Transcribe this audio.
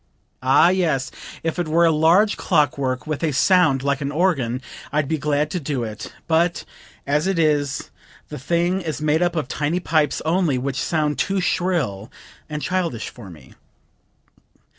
Ah, yes! if it were a large clock work with a sound like an organ I'd be glad to do it; but as it is the thing is made up of tiny pipes only, which sound too shrill and childish for me."